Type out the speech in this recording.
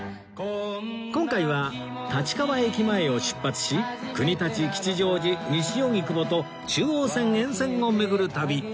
今回は立川駅前を出発し国立吉祥寺西荻窪と中央線沿線を巡る旅